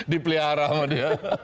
dipelihara sama dia